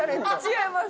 違います。